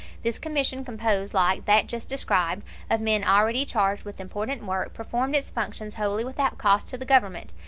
This Commission, composed like that just described, of men already charged with important work, performed its functions wholly without cost to the Government.